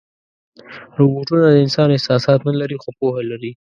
روبوټونه د انسان احساسات نه لري، خو پوهه لري.